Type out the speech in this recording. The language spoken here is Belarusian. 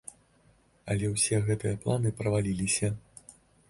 Але ўсе гэтыя планы праваліліся.